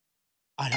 あれ？